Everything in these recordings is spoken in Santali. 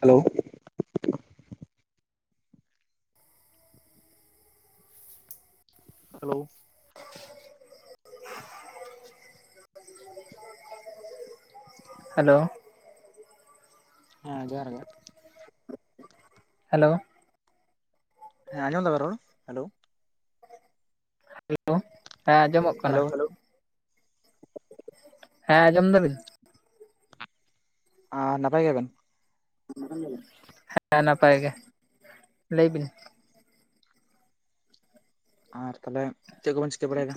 ᱦᱮᱞᱳ ᱦᱮᱞᱳ ᱦᱮᱞᱳ ᱦᱮᱸ ᱡᱚᱦᱟᱨ ᱜᱮ ᱦᱮᱞᱳ ᱦᱮᱸ ᱟᱸᱡᱚᱢ ᱫᱟᱵᱤᱱ ᱨᱚᱲ ᱦᱮᱞᱳ ᱦᱮᱞᱳ ᱦᱮᱸ ᱟᱸᱡᱚᱢᱚᱜ ᱦᱮᱞᱳ ᱠᱟᱱᱟ ᱦᱮᱞᱳ ᱦᱮᱸ ᱟᱸᱡᱚᱢ ᱫᱟᱵᱤᱱ ᱟᱨ ᱱᱟᱯᱟᱭ ᱜᱮᱭᱟᱵᱮᱱ ᱦᱮᱸ ᱱᱟᱯᱟᱭ ᱜᱮ ᱞᱟᱹᱭ ᱵᱤᱱ ᱟᱨ ᱛᱟᱦᱞᱮ ᱪᱮᱫ ᱠᱚᱵᱚᱱ ᱪᱤᱠᱟᱹ ᱵᱟᱲᱟᱭᱮᱫᱟ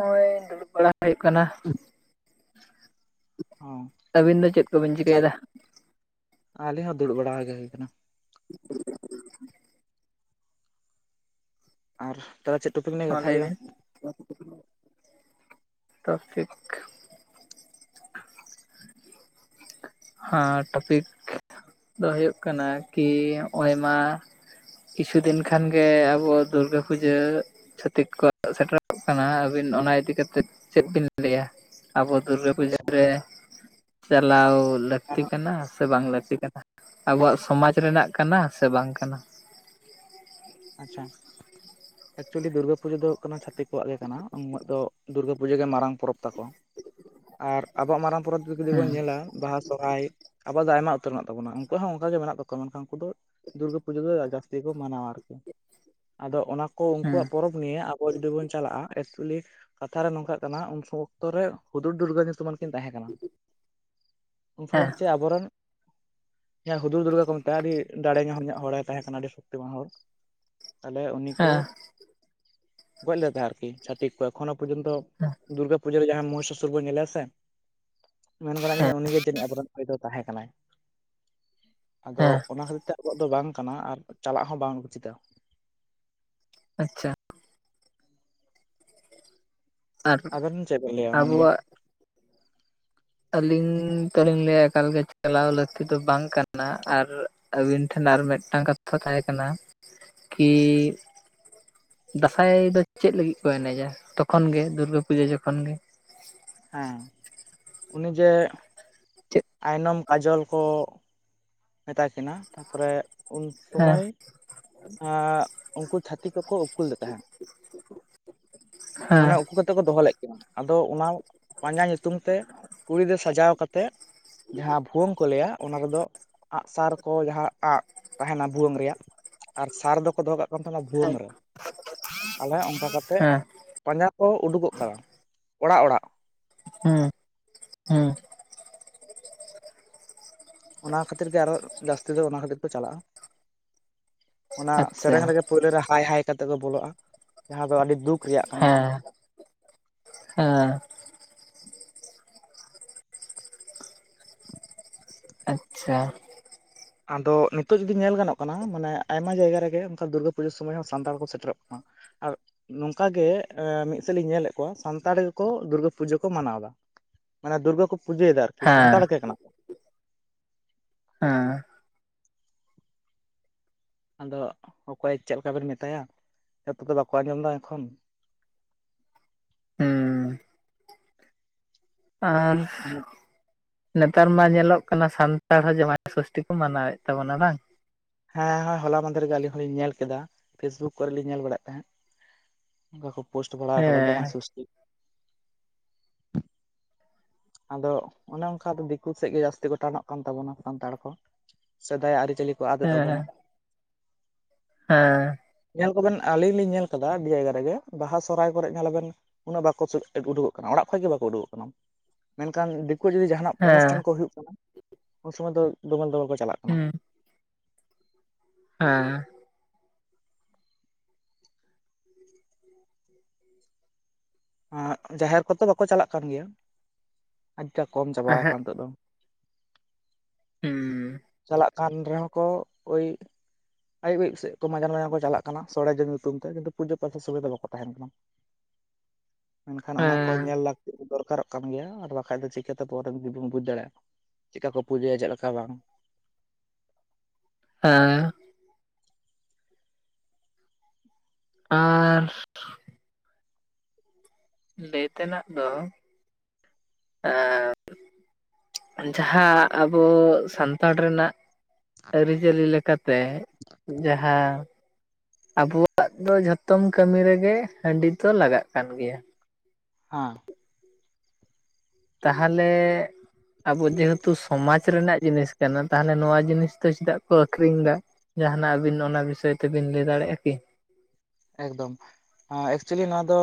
ᱦᱳᱼᱚᱭ ᱫᱩᱲᱩᱵ ᱵᱟᱲᱟ ᱦᱩᱭᱩᱜ ᱠᱟᱱᱟ ᱚ ᱟᱹᱵᱤᱱ ᱫᱚ ᱪᱮᱫ ᱠᱚᱵᱤᱱ ᱟᱪᱪᱷᱟ ᱪᱤᱠᱟᱹᱭᱮᱫᱟ ᱟᱞᱤᱧ ᱦᱚᱸ ᱫᱩᱲᱩᱵ ᱵᱟᱲᱟ ᱜᱮ ᱦᱩᱭ ᱟᱠᱟᱱᱟ ᱻ ᱟᱨ ᱛᱚᱵᱮ ᱪᱮᱫ ᱴᱚᱯᱤᱠ ᱱᱤᱭᱮ ᱦᱚᱸ ᱠᱟᱛᱷᱟᱭ ᱞᱟᱹᱭ ᱦᱩᱭᱩᱜᱼᱟ ᱵᱤᱱ ᱴᱚᱯᱷᱤᱠ ᱦᱟ ᱴᱚᱯᱤᱠ ᱫᱚ ᱦᱩᱭᱩᱜ ᱠᱟᱱᱟ ᱠᱤ ᱱᱚᱜᱚᱭᱢᱟ ᱠᱤᱪᱷᱩ ᱫᱤᱱ ᱠᱷᱟᱱᱜᱮ ᱟᱵᱚ ᱫᱩᱨᱜᱟᱹ ᱯᱩᱡᱟᱹ ᱪᱷᱟᱹᱛᱤᱠ ᱠᱚ ᱥᱮᱴᱮᱨᱚᱜ ᱠᱟᱱᱟ ᱟᱹᱵᱤᱱ ᱚᱱᱟ ᱤᱫᱤ ᱠᱟᱛᱮᱫ ᱪᱮᱫ ᱵᱤᱱ ᱞᱟᱹᱭᱼᱟ ᱟᱵᱚ ᱫᱩᱨᱜᱟᱹ ᱯᱩᱡᱟᱹ ᱟᱪᱪᱷᱟ ᱨᱮ ᱪᱟᱞᱟᱣ ᱞᱟᱹᱠᱛᱤ ᱠᱟᱱᱟ ᱥᱮ ᱵᱟᱝ ᱞᱟᱹᱠᱛᱤ ᱟᱵᱚᱣᱟᱜ ᱥᱚᱢᱟᱡᱽ ᱨᱮᱱᱟᱜ ᱠᱟᱱᱟ ᱥᱮ ᱵᱟᱝ ᱠᱟᱱᱟ ᱟᱪᱪᱷᱟ ᱮᱠᱪᱩᱭᱮᱞᱤ ᱫᱩᱨᱜᱟᱹ ᱯᱩᱡᱟᱹ ᱫᱚ ᱦᱩᱭᱩᱜ ᱠᱟᱱᱟ ᱪᱷᱟᱹᱤᱠᱣᱟᱜ ᱜᱮ ᱠᱟᱱᱟ ᱩᱹᱜ ᱫᱚ ᱫᱩᱨᱜᱟᱹ ᱯᱩᱡᱟᱹ ᱜᱮ ᱢᱟᱨᱟᱝ ᱯᱚᱨᱚᱵᱽ ᱛᱟᱠᱚ ᱟᱨ ᱟᱵᱚᱣᱟᱜ ᱢᱟᱨᱟᱝ ᱯᱚᱨᱚᱵᱽ ᱡᱩᱫᱤ ᱦᱮᱸ ᱵᱚᱱ ᱧᱮᱞᱟ ᱵᱟᱦᱟ ᱥᱚᱦᱨᱟᱭ ᱟᱵᱚ ᱫᱚ ᱟᱭᱢᱟ ᱩᱛᱟᱹᱨ ᱢᱮᱱᱟᱜ ᱛᱟᱵᱚᱱᱟ ᱩᱱᱠᱩᱣᱟᱜ ᱢᱮᱱᱟᱜ ᱛᱟᱵᱚᱱᱟ ᱦᱚᱸ ᱚᱱᱠᱟ ᱜᱮ ᱢᱮᱱᱟᱜ ᱛᱟᱠᱚᱣᱟ ᱢᱮᱱᱠᱷᱟᱱ ᱩᱱᱠᱩ ᱫᱚ ᱫᱩᱨᱜᱟᱹ ᱯᱩᱡᱟᱹ ᱫᱚ ᱡᱟᱹᱥᱛᱤ ᱜᱮ ᱠᱚ ᱢᱟᱱᱟᱣᱟ ᱟᱨᱠᱤ ᱟᱫᱚ ᱚᱱᱟ ᱠᱚ ᱦᱮᱸ ᱩᱱᱠᱩᱣᱟᱜ ᱯᱚᱨᱚᱵᱽ ᱱᱤᱭᱮ ᱟᱵᱚ ᱡᱩᱫᱤ ᱵᱚᱱ ᱪᱟᱞᱟᱜᱼᱟ ᱮ ᱪᱩᱞᱤ ᱠᱟᱛᱷᱟ ᱨᱮ ᱱᱚᱝᱠᱟᱜ ᱠᱟᱱᱟ ᱩᱱ ᱥᱚᱢᱚᱭ ᱚᱠᱛᱚ ᱨᱮ ᱦᱩᱫᱩᱨ ᱫᱩᱨᱜᱟᱹ ᱧᱩᱛᱩᱢᱟᱱ ᱠᱤᱱ ᱛᱟᱦᱮᱸ ᱠᱟᱱᱟ ᱩᱱ ᱦᱮᱸ ᱥᱚᱢᱚᱭ ᱪᱮᱫ ᱟᱵᱚᱨᱮᱱ ᱦᱮᱸ ᱦᱩᱫᱩᱨ ᱫᱩᱨᱜᱟ ᱠᱚ ᱢᱮᱛᱟᱭᱼᱟ ᱟᱹᱰᱤ ᱫᱟᱲᱮ ᱧᱟᱢ ᱧᱚᱜ ᱦᱚᱲᱮ ᱛᱟᱦᱮᱸ ᱠᱟᱱᱟ ᱟᱹᱰᱤ ᱥᱚᱠᱛᱤ ᱢᱟᱱ ᱦᱚᱲ ᱛᱟᱦᱚᱞᱮ ᱩᱱᱤ ᱠᱚ ᱦᱮᱸ ᱜᱚᱡ ᱞᱮᱫ ᱛᱟᱦᱮᱸ ᱟᱨᱠᱤ ᱪᱷᱟᱹᱛᱤᱠ ᱮᱠᱷᱚᱱᱳ ᱯᱚᱨᱡᱚᱱᱛᱚ ᱦᱮᱸ ᱫᱩᱨᱜᱟ ᱯᱩᱡᱟ ᱨᱮ ᱡᱟᱦᱟᱸ ᱢᱚᱦᱥᱟᱥᱩᱨ ᱵᱚᱱ ᱧᱮᱞᱮᱭᱟ ᱥᱮ ᱢᱮᱱ ᱜᱚᱫᱚᱜ ᱦᱮᱸ ᱡᱤᱡ ᱩᱱᱤᱜᱮ ᱡᱟᱹᱱᱤᱡ ᱟᱵᱚᱨᱮᱱ ᱦᱚᱭ ᱫᱚ ᱛᱟᱦᱮᱸ ᱠᱟᱱᱟᱭ ᱟᱫᱚ ᱦᱮᱸ ᱚᱱᱟ ᱠᱷᱟᱹᱛᱤᱨ ᱛᱮ ᱟᱞᱚᱣᱟᱜ ᱫᱚ ᱵᱟᱝ ᱠᱟᱱᱟ ᱟᱨ ᱪᱟᱞᱟᱜ ᱦᱚᱸ ᱵᱟᱝ ᱩᱪᱤᱛᱟ ᱟᱪᱪᱷᱟ ᱟᱨ ᱟᱵᱮᱱ ᱪᱮᱫ ᱵᱮᱱ ᱞᱟᱹᱭᱟ ᱚᱱᱟ ᱱᱤᱭᱮ ᱟᱵᱚᱣᱟᱜ ᱟᱹᱞᱤᱧ ᱛᱚᱞᱞᱤᱧ ᱞᱟᱹᱭᱟ ᱮᱠᱟᱞᱜᱮ ᱪᱟᱞᱟᱣ ᱞᱟᱹᱠᱛᱤ ᱫᱚ ᱵᱟᱝ ᱠᱟᱱᱟ ᱟᱨ ᱟᱹᱵᱤᱱ ᱴᱷᱮᱱ ᱟᱨ ᱢᱤᱫᱴᱟᱱ ᱠᱟᱛᱷᱟ ᱛᱟᱦᱮᱸᱟᱸ ᱠᱟᱱᱟ ᱠᱤ ᱫᱟᱸᱥᱟᱭ ᱫᱚ ᱪᱮᱫ ᱞᱟᱹᱜᱤᱫ ᱠᱚ ᱮᱱᱮᱡᱟ ᱛᱚᱠᱷᱚᱱ ᱜᱮ ᱫᱩᱨᱜᱟᱹ ᱯᱩᱡᱟᱹ ᱡᱚᱠᱷᱚᱱ ᱜᱮ ᱦᱮᱸ ᱩᱱᱤ ᱡᱮ ᱪᱮᱫ ᱟᱭᱱᱚᱢ ᱠᱟᱡᱚᱞ ᱠᱚ ᱢᱮᱛᱟᱭ ᱠᱤᱱᱟᱹ ᱛᱟᱨᱯᱚᱨᱮ ᱩᱱ ᱥᱚᱢᱚᱭ ᱩᱱᱠᱩ ᱪᱷᱟᱹᱛᱤᱠ ᱠᱚᱠᱚ ᱩᱠᱩ ᱞᱮᱫ ᱛᱟᱦᱮᱸᱫ ᱦᱮᱸ ᱢᱟᱱᱮ ᱩᱠᱩ ᱠᱟᱛᱮ ᱠᱚ ᱫᱚᱦᱚ ᱞᱮᱫ ᱠᱚᱣᱟ ᱟᱫᱚ ᱚᱱᱟ ᱯᱟᱸᱡᱟ ᱧᱩᱛᱩᱢ ᱛᱮ ᱠᱩᱲᱤ ᱫᱚ ᱥᱟᱡᱟᱣ ᱠᱟᱛᱮᱫ ᱡᱟᱦᱟᱸ ᱵᱷᱩᱣᱟᱹᱝ ᱠᱚ ᱞᱟᱹᱭᱟ ᱚᱱᱟ ᱨᱮᱫᱚ ᱟᱸᱜ ᱥᱟᱨ ᱠᱚ ᱡᱟᱦᱟᱸ ᱟᱸᱜ ᱛᱟᱦᱮᱱᱟ ᱵᱷᱩᱣᱟᱹᱝ ᱨᱮᱭᱟᱜ ᱟᱨ ᱥᱟᱨ ᱫᱚᱠᱚ ᱫᱚᱦᱚ ᱠᱟᱜ ᱵᱷᱣᱟᱹᱝ ᱦᱮᱸ ᱨᱮ ᱟᱞᱮ ᱚᱱᱠᱟ ᱠᱟᱛᱮ ᱦᱮᱸ ᱯᱟᱸᱡᱟ ᱠᱚ ᱩᱰᱩᱠᱚᱜ ᱠᱟᱱᱟ ᱚᱲᱟᱜ ᱚᱲᱟᱜ ᱦᱮᱸ ᱚᱱᱟ ᱠᱷᱟᱹᱛᱤᱨ ᱜᱮ ᱟᱨᱚ ᱡᱟᱹᱥᱛᱤ ᱫᱚ ᱚᱱᱟ ᱠᱷᱟᱹᱛᱤᱨ ᱠᱚ ᱪᱟᱞᱟᱜᱼᱟ ᱚᱱᱟ ᱟᱪᱪᱷᱟ ᱥᱮᱨᱮᱧ ᱨᱮᱜᱮ ᱯᱳᱭᱞᱳ ᱨᱮ ᱦᱟᱭ ᱦᱟᱭ ᱠᱟᱛᱮ ᱠᱚ ᱵᱚᱞᱚᱜᱼᱟ ᱡᱟᱦᱟᱸ ᱫᱚ ᱟᱹᱰᱤ ᱫᱩᱠ ᱨᱮᱭᱟᱜ ᱠᱟᱱᱟ ᱦᱮᱸ ᱦᱮᱸ ᱟᱪᱪᱷᱟ ᱟᱫᱚ ᱱᱤᱛᱚᱜ ᱡᱩᱫᱤ ᱧᱮᱞ ᱜᱟᱱᱚᱜ ᱠᱟᱱᱟ ᱢᱟᱱᱮ ᱟᱭᱢᱟ ᱡᱟᱭᱜᱟ ᱨᱮᱜᱮ ᱚᱱᱠᱟ ᱫᱩᱨᱜᱟᱹ ᱯᱩᱡᱟᱹ ᱥᱩᱚᱢᱚᱭ ᱦᱚᱸ ᱥᱟᱱᱛᱟᱲ ᱠᱚ ᱥᱮᱴᱮᱨᱚᱜ ᱠᱟᱱᱟ ᱟᱨ ᱱᱚᱝᱠᱟ ᱜᱮ ᱢᱤᱫ ᱥᱮᱫ ᱤᱧ ᱧᱮᱞᱮᱫ ᱠᱚᱣᱟ ᱥᱟᱱᱛᱟᱲ ᱜᱮᱠᱚ ᱫᱩᱨᱜᱟᱹ ᱯᱩᱡᱟᱹ ᱠᱚ ᱢᱟᱱᱟᱣᱫᱟ ᱢᱟᱱᱮ ᱫᱩᱨᱜᱟ ᱠᱚ ᱯᱩᱡᱟᱹᱭᱮᱫᱟ ᱟᱨᱠᱤ ᱦᱮᱸ ᱥᱟᱱᱛᱟᱲ ᱜᱮ ᱠᱟᱱᱟ ᱠᱚ ᱦᱮᱸ ᱟᱫᱚ ᱚᱠᱚᱭ ᱪᱮᱫ ᱞᱮᱠᱟᱵᱮᱱ ᱢᱮᱛᱟᱭᱟ ᱡᱚᱛᱚ ᱫᱚ ᱵᱟᱠᱚ ᱟᱸᱡᱚᱢ ᱮᱫᱟ ᱮᱠᱷᱚᱱ [inaudible] ᱦᱮᱸ ᱟᱨ ᱱᱮᱛᱟᱨ ᱢᱟ ᱧᱮᱞᱚᱜ ᱠᱟᱱᱟ ᱥᱟᱱᱛᱟᱲ ᱦᱚᱸ ᱡᱟᱢᱟᱭ ᱥᱚᱥᱴᱤ ᱠᱚ ᱢᱟᱱᱟᱣ ᱮᱫ ᱛᱟᱵᱚᱱᱟ ᱵᱟᱝ ᱦᱮᱸ ᱦᱚᱭ ᱦᱚᱞᱟ ᱢᱟᱦᱫᱮᱨ ᱜᱮ ᱟᱹᱞᱤᱧ ᱦᱚᱞᱤᱧ ᱧᱮᱞ ᱠᱮᱫᱟ ᱯᱷᱮᱥᱵᱩᱠ ᱠᱚᱨᱮ ᱞᱤᱧ ᱧᱮᱞ ᱵᱟᱲᱟᱭᱮᱫ ᱛᱟᱦᱮᱸᱫ ᱮᱫᱟ ᱠᱚ ᱯᱳᱥᱴ ᱵᱟᱲᱟᱣ ᱦᱮᱸ ᱟᱠᱟᱫᱟ ᱡᱟᱢᱟᱭ ᱥᱚᱥᱴᱤ ᱟᱫᱚ ᱚᱱᱮ ᱚᱱᱠᱟ ᱫᱚ ᱫᱤᱠᱩ ᱥᱮᱫ ᱜᱮ ᱡᱟᱹᱥᱛᱤ ᱴᱟᱱᱚᱜ ᱠᱟᱱ ᱛᱟᱵᱚᱱᱟ ᱥᱟᱱᱛᱟᱲ ᱠᱚ ᱥᱮᱫᱟᱭ ᱟᱹᱨᱤᱪᱟᱹᱞᱤ ᱠᱚ ᱟᱫᱮᱜ ᱦᱮᱸ ᱛᱟᱵᱚᱱᱟ ᱦᱮᱸ ᱧᱮᱞ ᱠᱚᱵᱮᱱ ᱟᱞᱤᱧ ᱞᱤᱧ ᱧᱮᱞ ᱟᱠᱟᱫᱟ ᱟᱹᱰᱤ ᱡᱟᱭᱜᱟ ᱨᱮᱜᱮ ᱵᱟᱦᱟ ᱥᱚᱨᱦᱟᱭ ᱠᱚᱨᱮ ᱧᱮᱞᱞᱟᱵᱮᱱ ᱩᱱᱟᱹᱜ ᱵᱟᱠᱚ ᱩᱰᱩᱠᱚᱜ ᱠᱟᱱᱟ ᱚᱱᱟ ᱚᱲᱟᱜ ᱠᱷᱚᱱ ᱜᱮ ᱵᱟᱠᱚ ᱩᱰᱩᱠᱚᱜ ᱠᱟᱱᱟ ᱢᱮᱱᱠᱷᱟᱱ ᱫᱤᱠᱩ ᱡᱩᱫᱤ ᱡᱟᱦᱟᱱᱟᱜ ᱚᱱᱩᱥᱴᱷᱟᱱ ᱦᱮᱸ ᱠᱚ ᱦᱩᱭᱩᱜ ᱠᱟᱱᱟ ᱩᱱ ᱥᱩᱚᱢᱚᱭ ᱫᱚ ᱫᱚᱜᱚᱞ ᱫᱚᱜᱚᱞ ᱠᱚ ᱪᱟᱞᱟᱜ ᱠᱟᱱᱟ ᱦᱩᱸ ᱦᱮᱸ ᱡᱟᱦᱮᱨ ᱠᱚᱛᱚ ᱵᱟᱹᱠᱚ ᱪᱟᱞᱟᱜ ᱠᱟᱱ ᱜᱮᱭᱟ ᱟᱹᱰᱤᱴᱟ ᱠᱚᱢ ᱪᱟᱵᱟ ᱠᱟᱱ ᱮᱦᱮᱸᱜ ᱱᱤᱛᱚᱜ ᱫᱚ ᱦᱩᱸ ᱪᱟᱞᱟᱜ ᱠᱟᱱ ᱨᱮᱦᱚᱸ ᱠᱚ ᱳᱭ ᱟᱹᱭᱩᱵᱤᱨ ᱥᱮᱫ ᱠᱚ ᱢᱟᱡᱟᱱᱼᱡᱟᱱ ᱠᱚ ᱪᱟᱞᱟᱜ ᱠᱟᱱᱟ ᱥᱚᱲᱡ ᱧᱩᱛᱩᱢ ᱛᱮ ᱠᱤᱱᱛᱩ ᱯᱩᱡᱟᱹ ᱯᱟᱥᱟᱛ ᱥᱩᱢᱚᱭ ᱫᱚ ᱵᱟᱠᱚ ᱛᱟᱦᱮᱱ ᱠᱟᱱᱟ ᱢᱮᱱᱠᱷᱟᱱ ᱚᱱᱟ ᱠᱚ ᱦᱮᱸ ᱧᱮᱞ ᱞᱟᱹᱠᱛᱤ ᱫᱚᱨᱠᱟᱨᱚᱜ ᱠᱟᱱ ᱜᱮᱭᱟ ᱟᱨ ᱵᱟᱠᱷᱟᱡ ᱫᱚ ᱪᱤᱠᱟᱹᱛᱮ ᱯᱚᱨᱮ ᱡᱩᱫᱤ ᱵᱚᱱ ᱵᱩᱡᱽ ᱫᱟᱲᱮᱭᱟᱜᱼᱟ ᱪᱮᱫᱠᱟ ᱠᱚ ᱯᱩᱡᱟᱹᱭᱟ ᱪᱮᱫ ᱞᱮᱠᱟ ᱵᱟᱝ ᱦᱮᱸ ᱟᱨ ᱞᱟᱹᱭ ᱛᱮᱱᱟᱜ ᱫᱚ ᱡᱟᱦᱟᱸ ᱟᱵᱚ ᱥᱟᱱᱛᱟᱲ ᱨᱮᱱᱟᱜ ᱟᱹᱨᱤᱪᱟᱹᱞᱤ ᱞᱮᱠᱟᱛᱮ ᱡᱟᱦᱟᱸ ᱟᱵᱚᱣᱟᱜ ᱫᱚ ᱡᱷᱚᱛᱚᱢ ᱠᱟᱹᱢᱤ ᱨᱮᱜᱮ ᱦᱟᱺᱰᱤ ᱫᱚ ᱞᱟᱜᱟᱜ ᱠᱟᱱ ᱜᱮᱭᱟ ᱦᱮᱸ ᱛᱟᱦᱚᱞᱮ ᱟᱵᱚ ᱡᱮᱦᱮᱛᱩ ᱥᱚᱢᱟᱡ ᱨᱮᱱᱟᱜ ᱡᱤᱱᱤᱥ ᱠᱟᱱᱟ ᱛᱟᱦᱚᱞᱮ ᱱᱚᱣᱟ ᱡᱤᱱᱤᱥ ᱫᱚ ᱪᱮᱫᱟᱜ ᱠᱚ ᱟᱠᱷᱨᱤᱧ ᱫᱟ ᱡᱟᱦᱟᱸᱱᱟᱜ ᱟᱹᱵᱤᱱ ᱚᱱᱟ ᱵᱤᱥᱚᱭ ᱛᱮᱵᱤᱱ ᱞᱟᱹᱭ ᱫᱟᱲᱮᱭᱟᱜᱼᱟ ᱠᱤ? ᱮᱠᱫᱚᱢ ᱮᱠᱪᱩᱭᱮᱞᱤ ᱱᱚᱣᱟ ᱫᱚ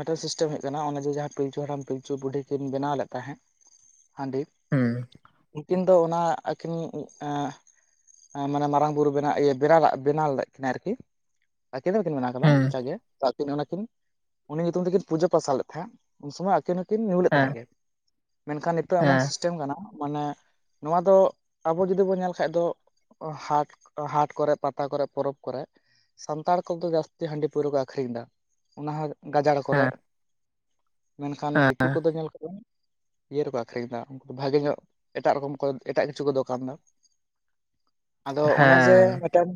ᱢᱮᱴᱟᱞ ᱥᱤᱥᱴᱮᱢ ᱦᱭᱜ ᱠᱟᱱᱟ ᱚᱱᱮ ᱡᱮ ᱡᱟᱦᱟᱸ ᱯᱤᱞᱪᱩ ᱦᱟᱲᱟᱢ ᱯᱤᱞᱪᱩ ᱵᱩᱰᱷᱤ ᱠᱤᱱ ᱵᱮᱱᱟᱣ ᱞᱮᱫ ᱛᱟᱦᱮᱸᱜ ᱦᱟᱸᱰᱤ ᱦᱩᱸ ᱩᱱᱠᱤᱱ ᱫᱚ ᱚᱱᱟ ᱟᱹᱠᱷᱤᱱ ᱮᱸ ᱢᱟᱱᱮ ᱢᱟᱨᱟᱝ ᱵᱩᱨᱩ ᱵᱮᱱᱟ ᱤᱭᱟᱹ ᱵᱮᱱᱟᱣ ᱞᱟᱜ ᱵᱮᱱᱟᱣ ᱞᱮᱫ ᱠᱤᱱᱟᱹ ᱟᱨᱠᱤ ᱟᱠᱤᱱ ᱫᱚ ᱤᱥᱤᱱ ᱢᱟᱱᱟᱣ ᱠᱟᱫᱟ ᱦᱩᱸ ᱡᱟᱜᱮ ᱛᱚ ᱟᱹᱠᱤᱱ ᱚᱱᱟᱠᱤᱱ ᱩᱱᱤ ᱧᱩᱛᱩᱢ ᱛᱮᱠᱤᱱ ᱯᱩᱡᱟᱹ ᱯᱟᱥᱟ ᱞᱮᱫ ᱛᱟᱦᱮᱸᱜ ᱩᱱ ᱥᱚᱢᱚᱭ ᱟᱹᱠᱤᱱ ᱦᱚᱸᱠᱤᱱ ᱧᱩ ᱞᱮᱫ ᱦᱮᱸ ᱛᱟᱦᱮᱸᱜ ᱜᱮ᱾ ᱢᱮᱱᱠᱷᱟᱱ ᱱᱤᱛᱚᱜ ᱮᱢᱚᱱ ᱦᱮᱸ ᱥᱤᱥᱴᱮᱢ ᱠᱟᱱᱟ ᱢᱟᱱᱮ ᱱᱚᱣᱟ ᱫᱚ ᱟᱵᱚ ᱡᱚᱫᱤ ᱵᱚᱱ ᱧᱮᱞ ᱠᱷᱟᱡ ᱫᱚ ᱦᱟᱴ ᱦᱟᱴ ᱠᱚᱨᱮ ᱯᱟᱛᱟ ᱠᱚᱨᱮ ᱯᱚᱨᱚᱵᱽ ᱠᱚᱨᱮ ᱥᱟᱱᱛᱟᱲ ᱠᱚᱫᱚ ᱡᱟᱥᱛᱤ ᱦᱟᱺᱰᱤ ᱯᱟᱹᱣᱨᱟᱹ ᱠᱚ ᱟᱠᱷᱨᱤᱧ ᱫᱟ ᱚᱱᱟ ᱦᱚᱸ ᱜᱟᱡᱟᱲ ᱦᱮᱸ ᱠᱚᱨᱮ᱾ ᱦᱮᱸ ᱢᱮᱱᱠᱷᱟᱱ ᱫᱤᱠᱩ ᱠᱚᱫᱚ ᱧᱮᱞ ᱠᱚᱢ᱾ ᱤᱭᱟᱹ ᱨᱮᱠᱚ ᱟᱠᱷᱨᱤᱧ ᱫᱟ ᱩᱱᱠᱩ ᱫᱚ ᱵᱷᱟᱜᱮ ᱧᱚᱜ ᱮᱴᱟᱜ ᱨᱚᱠᱚᱢ ᱠᱚ ᱮᱴᱟᱜ ᱠᱤᱪᱷᱩ ᱠᱚ ᱫᱚᱠᱟᱱᱫᱟ᱾ ᱟᱫᱚ ᱚᱱᱮ ᱡᱮ ᱦᱮᱸ ᱢᱤᱫᱴᱮᱱ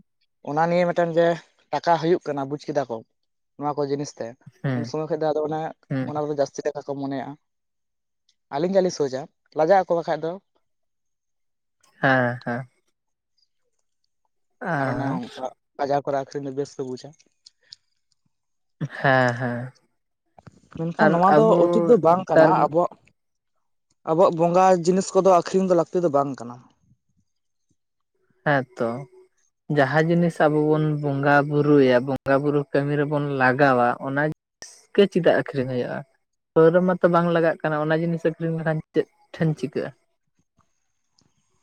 ᱚᱱᱟ ᱱᱤᱭᱮ ᱢᱤᱫᱴᱮᱱ ᱡᱮ, ᱴᱟᱠᱟ ᱦᱩᱭᱩᱜ ᱠᱟᱱᱟ ᱵᱩᱡ ᱠᱮᱫᱟ ᱠᱚ ᱱᱚᱣᱟ ᱠᱚ ᱡᱤᱱᱤᱥ, ᱛᱮ ᱦᱮᱸ ᱩᱱ ᱥᱚᱢᱚᱭ ᱠᱷᱚᱡ ᱫᱚ ᱟᱫᱚ ᱚᱱᱟ ᱦᱩᱸ ᱚᱱᱟ ᱠᱚᱫᱚ ᱡᱟᱹᱛᱤ ᱛᱮ ᱟᱠᱚ ᱢᱚᱱᱮᱭᱟᱜᱼᱟ ᱟᱹᱞᱤᱧ ᱜᱮᱞᱤᱧ ᱥᱳᱪᱟ ᱞᱟᱡᱟᱜ ᱟᱠᱚ ᱵᱟᱠᱷᱟᱡ ᱫᱚ᱾ ᱦᱮᱸ ᱦᱮᱸ ᱟᱨ ᱚᱱᱮ ᱚᱱᱠᱟ ᱵᱟᱡᱟᱨ ᱠᱚᱨᱮ ᱟᱠᱷᱨᱤᱧ ᱫᱚ ᱵᱮᱥ ᱠᱚ ᱵᱩᱡᱟ᱾ ᱦᱮᱸ ᱦᱮᱸ ᱢᱮᱱᱠᱷᱟᱱ ᱟᱨ ᱱᱚᱣᱟ ᱫᱚ ᱟᱵᱚ ᱩᱪᱤᱛ ᱫᱚ ᱵᱟᱝ ᱠᱟᱱᱟ ᱱᱮᱛᱟᱨ ᱟᱵᱚᱣᱟᱜ᱾ ᱟᱵᱚᱣᱟᱜ ᱵᱚᱸᱜᱟ ᱡᱤᱱᱤᱥ ᱠᱚᱫᱚ ᱟᱠᱷᱨᱤᱧ ᱫᱚ ᱞᱟᱹᱠᱛᱤ ᱫᱚ ᱵᱟᱝ ᱠᱟᱱᱟ᱾ ᱦᱮᱸ ᱛᱚ᱾ ᱡᱟᱦᱟᱸ ᱡᱤᱱᱤᱥ ᱟᱵᱚ ᱵᱚᱱ ᱵᱚᱸᱜᱟᱼ ᱵᱩᱨᱩᱭᱟ ᱵᱚᱸᱜᱟᱼ ᱵᱩᱨᱩ ᱠᱟᱹᱢᱤ ᱨᱮᱵᱚᱱ ᱞᱟᱜᱟᱣᱟ ᱚᱱᱟ, ᱠᱟᱹ ᱪᱮᱫᱟᱜ ᱟᱹᱠᱷᱨᱤᱧ ᱦᱩᱭᱩᱜᱼᱟ, ᱯᱟᱹᱣᱨᱟᱹ ᱢᱟᱛᱚ ᱵᱟᱝ ᱞᱟᱜᱟᱜ ᱠᱟᱱᱟ, ᱚᱱᱟ ᱡᱤᱱᱤᱥ ᱟᱹᱠᱷᱨᱤᱧ ᱞᱮᱠᱷᱟᱱ ᱪᱮᱫ ᱴᱷᱮᱱ ᱪᱤᱠᱟᱹᱜᱼᱟ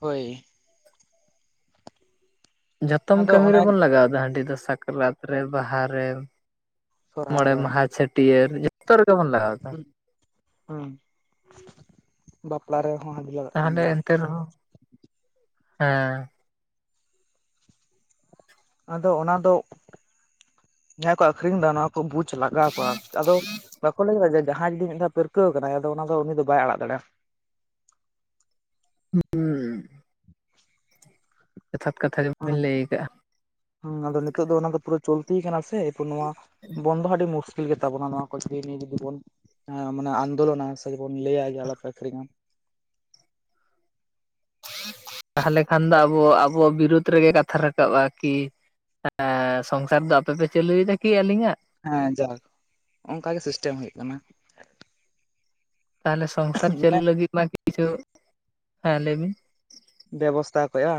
ᱦᱳᱭ ᱡᱚᱛᱚᱢ ᱟᱫᱚ ᱠᱟᱹᱢᱤ ᱚᱱᱮ ᱨᱮᱵᱚᱱ ᱞᱟᱜᱟᱣᱫᱟ ᱦᱟᱺᱰᱤ ᱫᱚ ᱥᱟᱠᱨᱟᱛ ᱨᱮ ᱵᱟᱦᱟᱨᱮ᱾ ᱥᱚᱨᱦᱟᱭ ᱢᱚᱬᱮ ᱢᱟᱦᱟ ᱪᱷᱟᱹᱴᱭᱟᱹᱨ ᱡᱷᱚᱛᱚ ᱦᱩᱸ ᱦᱩᱸ ᱵᱟᱯᱞᱟ ᱨᱮ ᱛᱟᱦᱚᱞᱮ ᱮᱱᱛᱮ ᱨᱮᱦᱚᱸ, ᱦᱮᱸ ᱟᱫᱚ ᱚᱱᱟᱫᱚ ᱡᱟᱦᱟᱸᱭ ᱠᱚ ᱟᱠᱷᱨᱤᱧ ᱫᱟ ᱚᱱᱟ ᱟᱠᱚ ᱵᱩᱡ ᱞᱟᱜᱟᱣ ᱠᱚᱣᱟ, ᱟᱫᱚ ᱵᱟᱠᱚ ᱞᱟᱹᱭ ᱫᱟ ᱡᱮ ᱡᱟᱦᱟᱸᱭ ᱡᱩᱫᱤ ᱢᱤᱫ ᱫᱷᱟᱣ ᱯᱟᱹᱨᱠᱟᱹᱣ ᱠᱟᱱᱟᱭ ᱟᱫᱚ ᱚᱱᱟ ᱫᱚ ᱩᱱᱤ ᱫᱚ ᱵᱟᱭ ᱟᱲᱟᱜ ᱫᱟᱲᱮᱭᱟᱜᱼᱟ᱾ ᱦᱩᱸ᱾ ᱠᱟᱛᱷᱟ ᱜᱮᱵᱤᱱ ᱦᱚᱸ ᱞᱟᱹᱭ ᱟᱠᱟᱜᱼᱟ ᱦᱩᱸ ᱟᱫᱚ ᱱᱤᱛᱚᱜ ᱫᱚ ᱚᱱᱟ ᱫᱚ ᱯᱩᱨᱟᱹ ᱪᱚᱞᱛᱤ ᱠᱟᱱᱟ ᱥᱮ ᱮᱯᱚᱨ ᱱᱚᱣᱟ ᱵᱚᱱᱫᱚ ᱟᱹᱰᱤ ᱢᱩᱥ ᱟᱹᱠᱤᱞ ᱜᱮᱛᱟᱵᱚᱱᱟ ᱱᱚᱣᱟ ᱠᱚ ᱡᱤ ᱱᱤᱭᱟᱹ ᱡᱩᱫᱤ ᱵᱚᱱ ᱢᱟᱱᱮ ᱟᱱᱫᱳᱞᱚᱱᱟ ᱥᱮᱵᱚᱱ ᱞᱟᱹᱭᱟ ᱡᱮ ᱟᱞᱚᱯᱮ ᱟᱹᱠᱷᱨᱤᱧᱟ, [inaudible] ᱛᱟᱦᱮᱞᱮ ᱠᱷᱟᱱ ᱫᱚ ᱟᱵᱚ ᱟᱵᱚ ᱵᱤᱨᱩᱫᱷ ᱨᱮᱜᱮ ᱠᱟᱛᱷᱟ ᱨᱟᱠᱟᱵᱼᱟ ᱠᱤ, ᱮᱸ ᱥᱚᱝᱥᱟᱨ ᱫᱚ ᱟᱯᱮᱯᱮ ᱪᱟᱹᱞᱩᱭ ᱫᱟᱠᱤ ᱟᱹᱞᱤᱧᱟᱜ? ᱦᱮᱸ ᱡᱟᱠ ᱚᱱᱠᱟᱜᱮ ᱥᱤᱥᱴᱮᱢ ᱦᱩᱭᱩᱜ ᱠᱟᱱᱟ᱾ ᱛᱟᱦᱚᱞᱮ ᱥᱚᱝᱥᱟᱨ ᱪᱟᱹᱞᱩ ᱢᱟᱱᱮ ᱞᱟᱹᱜᱤᱫ ᱢᱟ ᱠᱤᱪᱷᱩ, ᱦᱮᱸ ᱞᱟᱹᱭ ᱵᱤᱱ ᱵᱮᱵᱚᱥᱛᱷᱟ ᱠᱚᱜᱼᱟ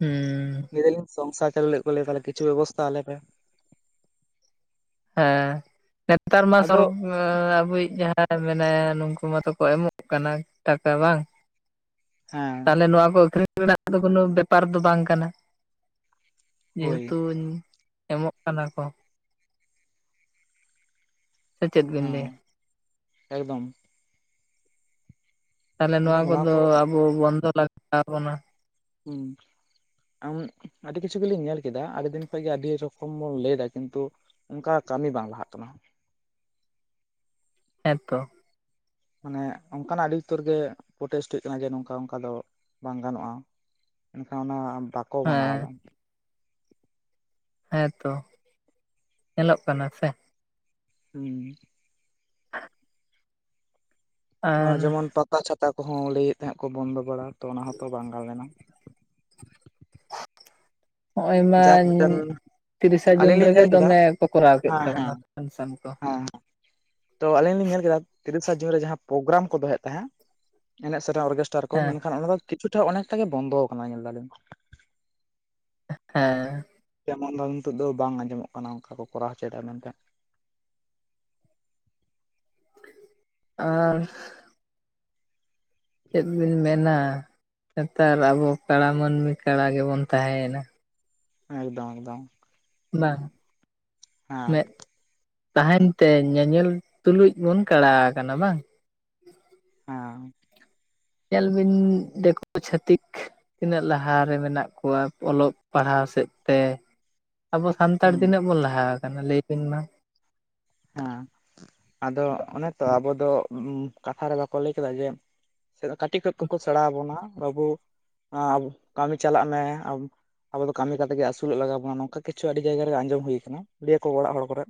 ᱦᱩᱸ ᱞᱟᱹᱭ ᱫᱟᱞᱤᱧ ᱥᱚᱝᱥᱟᱨ ᱪᱟᱹᱞᱩ ᱞᱮᱜᱟ ᱞᱟᱹᱜᱤᱫ ᱠᱤᱪᱷᱩ ᱵᱮᱵᱚᱥᱛᱟ ᱟᱞᱮ ᱯᱮ᱾ ᱦᱮᱸ ᱱᱮᱛᱟᱨ ᱢᱟ ᱟᱫᱚ ᱥᱚᱨ ᱟᱵᱚᱭᱤᱡ ᱡᱟᱦᱟᱸ, ᱢᱮᱱᱟᱭᱟ ᱱᱩᱠᱩ ᱢᱟᱛᱚ ᱠᱚ ᱮᱢᱚᱜ ᱠᱟᱱᱟ ᱴᱟᱠᱟ, ᱵᱟᱝ? ᱦᱮᱸ ᱛᱟᱦᱞᱮ ᱱᱚᱣᱟ ᱠᱚ ᱟᱹᱠᱷᱨᱤᱧ ᱨᱮᱱᱟᱜ ᱫᱚ ᱠᱳᱱᱳ ᱵᱮᱯᱟᱨ ᱫᱚ ᱵᱟᱝ ᱠᱟᱱᱟ᱾ ᱦᱳᱭ ᱡᱮᱦᱮᱛᱩᱧ ᱮᱢᱚᱜ ᱠᱟᱱᱟ ᱠᱚ᱾ ᱥᱮᱪᱮᱫ ᱵᱮᱱ ᱦᱮᱸ ᱞᱟᱹᱭᱟ? ᱮᱠᱫᱚᱢ ᱛᱟᱦᱚᱞᱮ ᱟᱫᱚ ᱱᱚᱣᱟ ᱠᱚᱫᱚ ᱠᱚ ᱟᱵᱚ ᱵᱚᱱᱫᱚ ᱞᱟᱠᱛᱤ ᱛᱟᱵᱚᱱᱟ ᱦᱩᱸ ᱟᱢ ᱟᱹᱰᱤ ᱠᱤᱪᱷᱩ ᱜᱮᱞᱤᱧ ᱧᱮᱞ ᱠᱮᱫᱟ ᱟᱹᱰᱤ ᱫᱤᱱ ᱠᱷᱚᱱ ᱜᱮ ᱟᱹᱰᱤ ᱨᱚᱠᱚᱢ ᱵᱚᱱ ᱞᱟᱹᱭ ᱮᱟ ᱠᱤᱱᱛᱩ ᱚᱱᱠᱟ ᱠᱟᱹᱢᱤ ᱵᱟᱝ ᱞᱟᱦᱟᱜ ᱠᱟᱱᱟ ᱦᱮᱸᱛᱚ ᱢᱟᱱᱮ ᱚᱱᱠᱟᱱᱟᱜ ᱟᱹᱰᱤ ᱩᱛᱟᱹᱨ ᱜᱮ ᱯᱨᱚᱴᱮᱥᱴ ᱦᱩᱭᱩᱜ ᱠᱟᱱᱟ ᱡᱮ ᱱᱚᱝᱠᱟ ᱚᱱᱠᱟ ᱫᱚ ᱵᱟᱝ ᱜᱟᱱᱚᱜᱼᱟ ᱢᱮᱱᱱᱠᱷᱟᱱ ᱚᱱᱟ ᱵᱟᱠᱚ ᱢᱟᱱᱟᱣ ᱮᱫᱟ ᱦᱮᱸ ᱦᱮᱸᱛᱚ ᱧᱮᱞᱚᱜ ᱠᱟᱱᱟ ᱥᱮ ᱦᱩᱸ [unintelligible] ᱟᱨ ᱡᱮᱢᱚᱱ ᱯᱟᱛᱟ ᱪᱷᱟᱛᱟ ᱠᱚᱸᱦᱚᱸ ᱞᱟᱹᱭᱮᱫ ᱛᱟᱦᱮᱸᱫ ᱠᱚ ᱵᱚᱱᱫᱚ ᱵᱟᱲᱟ ᱛᱚ ᱚᱱᱟ ᱦᱚᱸᱛᱚ ᱵᱟᱝ ᱜᱟᱞ ᱞᱮᱱᱟ ᱡᱟᱠ ᱢᱤᱫᱴᱮᱱ [unintelligible] ᱛᱤᱨᱤᱥᱟ ᱡᱩᱱ ᱟᱹᱞᱤᱧ ᱞᱤᱧ ᱨᱮᱜᱮ ᱧᱮᱞ ᱠᱮᱫᱟ ᱫᱚᱢᱮ ᱠᱚ ᱠᱚᱨᱟᱣ ᱠᱮᱫ ᱦᱮᱸ ᱦᱮᱸ ᱛᱟᱵᱚᱱᱟ ᱯᱮᱱᱥᱚᱱ ᱠᱚ ᱦᱮᱸ ᱛᱚ ᱟᱞᱤᱧ ᱞᱤᱧ ᱧᱮᱞ ᱠᱮᱫᱟ ᱛᱤᱨᱤᱥᱮ ᱡᱩᱱ ᱨᱮ ᱡᱟᱸᱦᱟ ᱯᱨᱳᱜᱨᱟᱢ ᱠᱚ ᱫᱚᱦᱚᱭᱮᱫ ᱛᱟᱦᱮᱸ ᱮᱱᱮᱢ ᱥᱮᱨᱮᱧ ᱚᱨᱜᱮᱥᱴᱟᱨ ᱠᱚ ᱦᱮᱸ ᱢᱮᱱᱠᱷᱟᱱ ᱚᱱᱟ ᱫᱚ ᱠᱤᱪᱷᱩᱴᱟ ᱚᱱᱮᱠᱴᱟ ᱜᱮ ᱵᱚᱱᱫᱚ ᱟᱠᱟᱱᱟ ᱧᱮᱞ ᱫᱟᱞᱤᱧ ᱦᱮᱸ ᱮᱢᱚᱱ ᱫᱚ ᱱᱤᱛᱚᱜ ᱫᱚ ᱵᱟᱝ ᱟᱸᱡᱚᱢᱚᱜ ᱠᱟᱱᱟ ᱚᱱᱠᱟ ᱠᱚ ᱠᱚᱨᱟᱣ ᱦᱚᱪᱚᱮᱫᱟ ᱢᱮᱱᱛᱮ [inaudible] ᱟᱦ ᱪᱮᱫ ᱵᱤᱱ ᱢᱮᱱᱟ ᱱᱮᱛᱟᱨ ᱟᱵᱚ ᱠᱟᱸᱲᱟ ᱢᱟᱹᱱᱢᱤ ᱠᱟᱸᱲᱟ ᱜᱮᱵᱚᱱ ᱛᱟᱦᱮᱸᱭᱮᱱᱟ ᱮᱠᱫᱚᱢ ᱮᱠᱫᱚᱢ ᱵᱟᱝ ᱦᱮᱸ ᱢᱮᱫ ᱛᱟᱦᱮᱱ ᱛᱮ ᱧᱮᱧᱮᱞ ᱛᱩᱞᱩᱡ ᱵᱚᱱ ᱠᱟᱸᱲᱟ ᱟᱠᱟᱱᱟ ᱵᱟᱝ ᱦᱮᱸ ᱧᱮᱞ ᱵᱤᱱ ᱫᱤᱠᱩ ᱪᱷᱟᱹᱛᱤᱠ ᱛᱤᱱᱟᱹᱜ ᱞᱟᱦᱟᱨᱮ ᱢᱮᱱᱟᱜ ᱠᱚᱣᱟ ᱚᱞᱚᱜ ᱯᱟᱲᱦᱟᱣ ᱥᱮᱫ ᱛᱮ [inaudible] ᱟᱵᱚ ᱥᱟᱱᱛᱟᱲ ᱦᱩᱸ ᱛᱤᱱᱟᱹᱜ ᱵᱚᱱ ᱞᱟᱦᱟ ᱟᱠᱟᱱᱟ ᱞᱟᱹᱭᱵᱤᱱ ᱢᱟ ᱦᱮᱸ ᱟᱫᱚ ᱚᱱᱮ ᱛᱚ ᱟᱵᱚ ᱫᱚ ᱠᱟᱛᱷᱟ ᱨᱮ ᱵᱟᱠᱚ ᱞᱟᱹᱭ ᱠᱮᱫᱟ ᱡᱮ ᱠᱟᱹᱴᱤᱡ ᱠᱷᱚᱡ ᱠᱚᱠᱚ ᱥᱮᱬᱟᱣ ᱟᱵᱚᱱᱟ ᱵᱟᱹᱵᱩ ᱟᱢ ᱠᱟᱹᱢᱤ ᱪᱟᱞᱟᱜ ᱢᱮ ᱟᱢ ᱟᱵᱚ ᱫᱚ ᱠᱟᱹᱢᱤ ᱠᱟᱛᱮᱜ ᱜᱮ ᱟᱹᱥᱩᱞᱚᱜ ᱞᱟᱜᱟᱣ ᱟᱰᱚ ᱫᱚ ᱠᱟᱹᱢᱤ ᱠᱟᱛᱮᱜ ᱜᱮ ᱟᱥᱩᱞᱚᱜ ᱞᱟᱜᱟ ᱵᱚᱱᱟ ᱱᱚᱝᱠᱟ ᱠᱤᱪᱷᱩ ᱟᱹᱰᱤ ᱡᱟᱭᱜᱟ ᱨᱮ ᱟᱸᱡᱚᱢ ᱦᱩᱭ ᱠᱟᱱᱟ ᱞᱟᱹᱭ ᱟᱠᱚ ᱚᱲᱟᱜ ᱦᱚᱲ ᱠᱚᱨᱮᱜ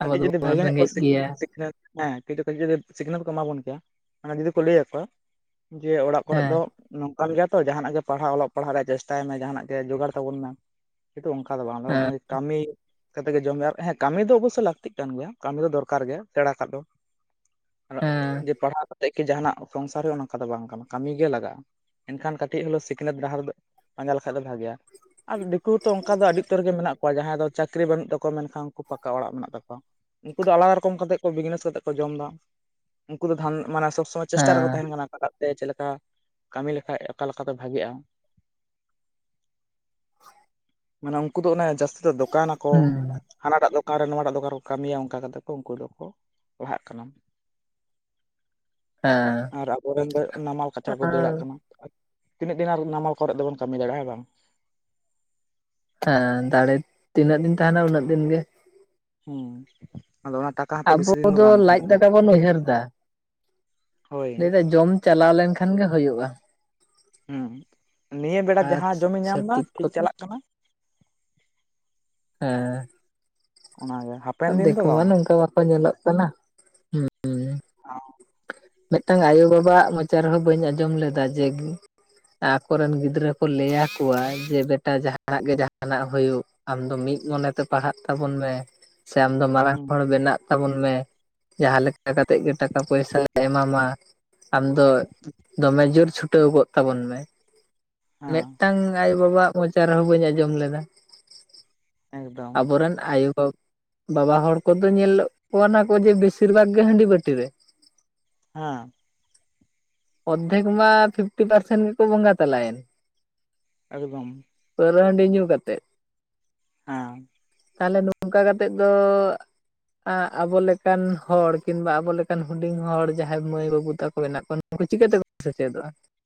ᱟᱵᱚ ᱠᱟᱹᱴᱤᱡ ᱡᱩᱫᱤ ᱫᱚᱵᱚᱱ ᱵᱷᱟᱜᱮ ᱧᱚᱜ ᱠᱚ ᱨᱮᱸᱜᱮᱡ ᱥᱤᱠᱷ ᱜᱮᱭᱟ ᱥᱤᱠᱷᱱᱟᱹᱛ ᱦᱮᱸ ᱪᱤᱠᱟᱹᱛᱮ ᱡᱩᱫᱤ ᱥᱤᱠᱷᱱᱟᱹᱛ ᱠᱚ ᱮᱢᱟ ᱵᱚᱱ ᱠᱮᱭᱟ ᱢᱟᱱᱮ ᱡᱩᱫᱤ ᱠᱚ ᱞᱟᱹᱭ ᱟᱠᱚᱣᱟ ᱡᱮ ᱚᱲᱟᱜ ᱠᱚᱨᱮ ᱫᱚ ᱦᱮᱸ ᱱᱚᱝ ᱱᱚᱝᱠᱟᱱ ᱜᱮᱭᱟ ᱛᱚ ᱡᱟᱦᱟᱱᱟᱜ ᱜᱮ ᱯᱟᱲᱦᱟᱣ ᱚᱞᱚᱜ ᱯᱟᱲᱦᱟᱣ ᱨᱮᱭᱟᱜ ᱪᱮᱥᱴᱟᱭ ᱢᱮ ᱡᱟᱦᱟᱱᱟᱜ ᱜᱮ ᱡᱚᱜᱟᱲ ᱛᱟᱵᱚᱱ ᱢᱮ᱾ ᱠᱤᱱᱛᱩ ᱚᱱᱠᱟ ᱫᱚ ᱵᱟᱝ ᱦᱮᱸ ᱜᱮ ᱠᱟᱹᱢᱤ ᱠᱟᱛᱮᱜ ᱜᱮ ᱡᱚᱢ ᱢᱮ ᱟᱨ ᱛᱟᱦᱸ ᱠᱟᱹᱢᱤ ᱫᱚ ᱚᱵᱚᱥᱳᱭ ᱞᱟᱹᱠᱛᱤᱜ ᱠᱟᱱ ᱜᱮᱭᱟ᱾ ᱠᱟᱹᱢᱤ ᱫᱚ ᱫᱚᱨᱠᱟᱨ ᱜᱮ ᱥᱮᱬᱟ ᱠᱷᱟᱡ ᱫᱚ ᱦᱮᱸ ᱡᱮ ᱯᱟᱲᱦᱟᱣ [unintelligible] ᱮᱱᱠᱷᱟᱱ ᱠᱟᱹᱴᱤᱡ ᱦᱚᱞᱚ ᱥᱤᱠᱷᱱᱟᱹᱛ ᱡᱟᱦᱟᱸᱨᱮ ᱫᱚ ᱯᱟᱸᱡᱟ ᱞᱮᱠᱷᱟᱡ ᱫᱚ ᱵᱷᱟ. ᱜᱤ ᱜᱮᱭᱟ᱾ ᱟᱨ ᱫᱤᱠᱩ ᱛᱚ ᱚᱱᱠᱟ ᱫᱚ ᱟᱹᱰᱤ ᱩᱛᱟᱹᱨ ᱜᱮ ᱢᱮᱱᱟᱜ ᱠᱚᱣᱟ ᱡᱟᱦᱟᱸᱭ ᱫᱚ ᱪᱟᱹᱠᱨᱤ ᱵᱟᱹᱱᱩᱜ ᱛᱟᱠᱚᱣᱟ ᱢᱮᱱᱠᱷᱟᱱ ᱩᱱᱠᱩ ᱯᱟᱠᱟ ᱚᱲᱟᱜ ᱢᱮᱱᱟᱜ ᱛᱟᱠᱚᱣᱟ ᱩᱱᱠᱩ ᱫᱚ ᱟᱞᱟᱫᱟ ᱨᱚᱠᱚᱢ ᱠᱟᱛᱮᱜ ᱠᱚ ᱵᱤᱡᱽᱱᱮᱥ ᱠᱟᱛᱮᱜ ᱠᱚ ᱡᱚᱢ ᱮᱫᱟ᱾ ᱩᱱᱠᱩ ᱫᱚ ᱫᱷᱟᱱ ᱢᱟᱱᱮ ᱥᱚᱵ ᱥᱚᱢᱚᱭ ᱪᱮᱥᱴᱟ ᱨᱮᱠᱚ ᱦᱮᱸ ᱛᱟᱦᱮᱸᱱ ᱠᱟᱱᱟ᱾ ᱥᱮ ᱪᱮᱫ ᱞᱮᱠᱟ ᱠᱟᱹᱢᱤ ᱞᱮᱠᱷᱟᱡ ᱚᱠᱟ ᱞᱮᱠᱟᱛᱮ ᱵᱷᱟ. ᱜᱤᱜᱼᱟ᱾ ᱢᱟᱱᱮ ᱩᱱᱠᱩ ᱫᱚ ᱚᱱᱮ ᱡᱟᱹᱥᱛᱤ ᱫᱚ ᱫᱚᱠᱟᱱᱟᱠᱚ᱾ ᱦᱩᱸ ᱦᱟᱱᱟᱴᱟᱜ ᱫᱚ ᱟᱨ ᱱᱚᱣᱟᱴᱟᱜ ᱫᱚᱠᱟᱱ ᱨᱮᱠᱚ ᱠᱟᱹᱢᱤᱭᱟ᱾ ᱚᱱᱠᱟ ᱠᱟᱛᱮ ᱠᱚ ᱩᱱᱠᱩ ᱫᱚᱠᱚ ᱞᱟᱦᱟᱜ ᱠᱟᱱᱟ᱾ ᱦᱮᱸ ᱟᱨ ᱟᱵᱚᱨᱮᱱ ᱫᱚ ᱱᱟᱢᱟᱞ ᱠᱟᱪᱟ ᱠᱚ ᱫᱟᱹᱲᱟᱜ ᱠᱟᱱᱟ᱾ ᱛᱤᱱᱟᱹᱜ ᱫᱤᱱ ᱟᱨ ᱱᱟᱢᱟᱞ ᱠᱚᱨᱮ ᱫᱚᱵᱚᱱ ᱠᱟᱹᱢᱤ ᱫᱟᱲᱮᱭᱟᱜᱼᱟ ᱦᱮᱸ ᱵᱟᱝ? ᱦᱮᱸ ᱫᱟᱲᱮ ᱛᱤᱱᱟᱹᱜ ᱫᱤᱱ ᱛᱟᱦᱮᱱᱟ ᱩᱱᱟᱹᱜ ᱫᱤᱱ ᱜᱮ᱾ ᱦᱩᱸᱻ ᱟᱵᱚ ᱫᱚ ᱞᱟᱡ ᱫᱟᱠᱟ ᱵᱚᱱ ᱩᱭᱦᱟᱹᱨ ᱮᱫᱟ᱾ ᱦᱳᱭ ᱞᱟᱹᱭᱫᱟ ᱡᱚᱢ ᱪᱟᱞᱟᱣ ᱞᱮᱱᱠᱷᱟᱱ ᱜᱮ ᱦᱩᱭᱩᱜᱼᱟ᱾ ᱦᱩᱸ ᱱᱤᱭᱟᱹ ᱵᱮᱲᱟ ᱟᱨ ᱡᱟᱦᱟᱸ ᱡᱚᱢᱮ ᱧᱟᱢᱫᱟ ᱪᱷᱟᱹᱛᱤᱠ ᱴᱷᱤᱠ ᱠᱚᱫᱚ ᱪᱟᱞᱟᱜ ᱠᱟᱱᱟ᱾ ᱚᱱᱟᱜᱮ ᱦᱟᱯᱮᱱ ᱦᱮᱸᱻ ᱫᱤᱱ ᱫᱚ ᱫᱤᱠᱩ ᱢᱟ ᱵᱟᱝ ᱱᱚᱝᱠᱟ ᱵᱟᱠᱚ ᱧᱮᱞᱚᱜ ᱠᱟᱱᱟ᱾ ᱦᱩᱸᱻ ᱢᱤᱫᱴᱟᱝ ᱟᱭᱳᱼᱵᱟᱵᱟᱣᱟᱜ ᱢᱚᱪᱟ ᱨᱮᱦᱚᱸ ᱵᱟᱹᱧ ᱟᱸᱡᱚᱢ ᱞᱮᱫᱟ ᱡᱮ ᱟᱠᱚᱨᱮᱱ ᱜᱤᱫᱽᱨᱟᱹ ᱠᱚ ᱞᱟᱹᱭᱟᱠᱚᱣᱟ ᱡᱮ ᱵᱮᱴᱟ ᱡᱟᱦᱟᱸᱟᱱᱟᱜ ᱜᱮ ᱡᱟᱦᱟᱸᱟᱱᱟᱜ ᱦᱩᱭᱩᱜ ᱟᱢᱫᱚ ᱢᱤᱫ ᱢᱚᱱᱮᱛᱮ ᱯᱟᱲᱦᱟᱜ ᱛᱟᱵᱚᱱ ᱢᱮ᱾ ᱥᱮ ᱟᱢ ᱫᱚ ᱢᱟᱨᱟᱝ ᱦᱮᱸ ᱦᱚᱲ ᱵᱮᱱᱟᱜ ᱛᱟᱵᱚᱱ ᱢᱮ᱾ ᱡᱟᱦᱟᱸ ᱞᱮᱠᱟ ᱠᱟᱛᱮᱫ ᱜᱮ ᱴᱟᱻ ᱯᱚᱭᱥᱟ ᱞᱮ ᱮᱢᱟᱢᱟ ᱟᱢ ᱫᱚ ᱫᱚᱢᱮ ᱡᱩᱨ ᱪᱷᱩ ᱪᱷᱩᱴᱟᱹᱣ ᱠᱚᱜ ᱛᱟᱵᱚᱱ ᱢᱮ᱾ ᱢᱤᱫᱴᱟᱝ ᱟᱭᱳ ᱵᱟᱵᱟᱻᱟᱜ ᱢᱚᱪᱟ ᱨᱮᱦᱚᱸ ᱵᱟᱹᱧ ᱟᱸᱡᱚᱢ ᱞᱮᱫᱟ᱾ ᱦᱮᱸ ᱮᱠᱫᱚᱢ ᱟᱵᱚᱨᱮᱱ ᱟᱭᱳ-ᱵᱟᱵᱟ ᱵᱟᱵᱟ ᱦᱚᱲ ᱠᱚᱫᱚ ᱧᱮᱞᱚᱜ ᱠᱟᱱᱟ ᱠᱚ ᱡᱮ ᱵᱤᱥᱤᱨ ᱵᱷᱟᱜᱽ ᱜᱮ ᱦᱟᱺᱰᱤ ᱵᱷᱟᱹᱴᱤ ᱨᱮ᱾ ᱦᱟᱸᱻ ᱚᱨᱫᱷᱮᱠ ᱢᱟ ᱯᱷᱤᱯᱴᱤ ᱯᱟᱨᱥᱮᱱᱴ ᱜᱮᱠᱚ ᱵᱚᱸᱜᱟ ᱛᱟᱞᱟᱭᱮᱱ᱾ ᱮᱠᱫᱚᱢ᱾ ᱯᱟ. ᱨᱣᱟ. ᱦᱟᱺᱰᱤ ᱧᱩ ᱠᱟᱛᱮᱫ᱾ ᱦᱟᱸᱻ ᱛᱟᱦᱞᱮ ᱱᱚᱝᱠᱟ ᱠᱟᱛᱮᱜ ᱫᱚᱻ ᱾ [unintelligible] ᱩᱱᱠᱩ ᱪᱤᱠᱟᱹᱛᱮᱠᱚ ᱥᱮᱪᱮᱫᱚᱜᱼᱟ?